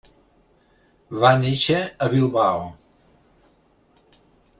Va néixer a Bilbao.